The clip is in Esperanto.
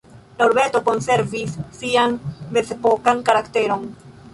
La urbeto konservis sian mezepokan karakteron.